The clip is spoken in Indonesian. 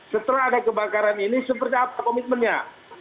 setelah ada kebakaran ini seperti apa komitmennya